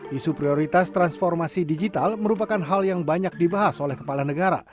isu prioritas transformasi digital merupakan hal yang banyak dibahas oleh kepala negara